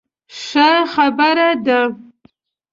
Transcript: ښه خبره ده.